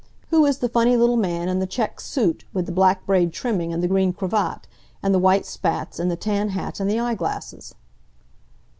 Who is the funny little man in the checked suit with the black braid trimming, and the green cravat, and the white spats, and the tan hat and the eyeglasses?"